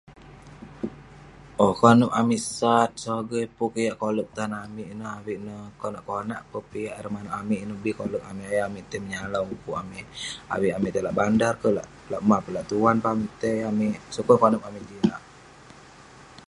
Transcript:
Owk, konep amik sat, sogei. Pun kek yak koleg tan amik ineh avik neh konak konak peh piak ireh manouk amik, ineh bi koleg amik. Yah amik tai menyalau kuk amik- avik amik lak bandar peh lak- lak mah peh, lak tuan peh amik tai. Amik- Sukon konep amik jiak.